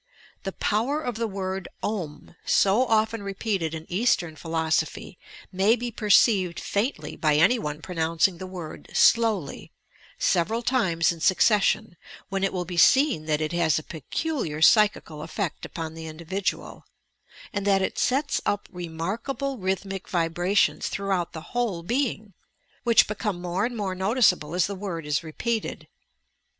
The power of the word "ou," so often re peated in Eastern Philosophy, may be perceived faintly by any one pronouncing the word slowly, several times in succession, when it will be seen that it has a peculiar psychical effect upon the individual, and that it sets up remarkable rhythmic vibrations throughout the whole be ing, which become more and more noticeable as the word is repeated.